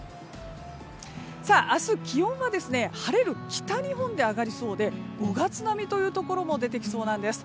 明日、気温は晴れる北日本で上がりそうで５月並みというところも出てきそうなんです。